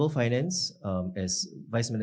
pada keuangan yang berkembang